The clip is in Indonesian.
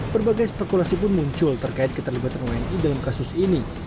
berbagai spekulasi pun muncul terkait keterlibatan wni dalam kasus ini